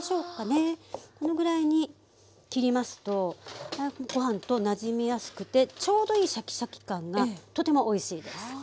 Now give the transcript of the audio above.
このぐらいに切りますとご飯となじみやすくてちょうどいいシャキシャキ感がとてもおいしいです。